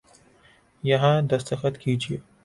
یہاں دستخط کیجئے